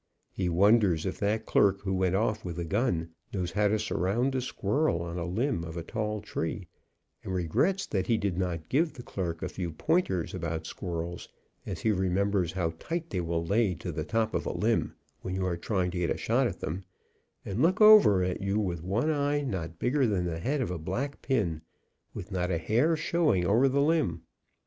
He wonders if that clerk who went off with the gun knows how to surround a squirrel on a limb of a tall tree, and regrets that he did not give the clerk a few pointers about squirrels, as he remembers how tight they will lay to the top of a limb, when you are trying to get a shot at them, and look over at you with one eye not bigger than the head of a black pin, with not a hair showing over the limb.